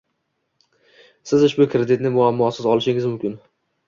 siz ushbu kreditni muammosiz olishingiz mumkin.